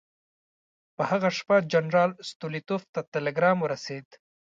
په هغه شپه جنرال ستولیتوف ته ټلګرام ورسېد.